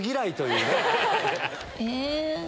え？